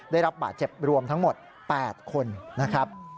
ได้รับบาดเจ็บรวมทั้งหมด๘คนนะครับ